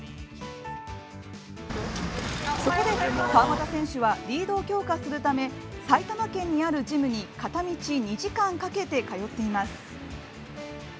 そこで、川又選手はリードを強化するため埼玉県にあるジムに片道２時間かけて通っています。